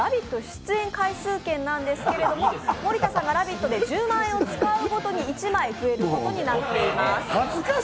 出演回数券なんですが森田さんが「ラヴィット！」で１０万円を使うごとに１枚増えることになっています。